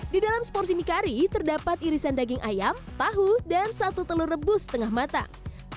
di dalam seporsi mie kari terdapat irisan daging ayam tahu dan satu telur rebus setengah matang